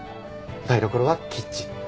台所は「キッチン」。